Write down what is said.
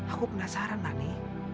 aku penasaran marni